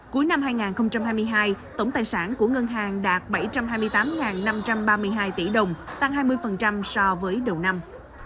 cuối năm hai nghìn hai mươi hai tổng tài sản của ngân hàng đạt bảy trăm hai mươi tám năm trăm ba mươi hai tỷ đồng tăng hai mươi so với đầu năm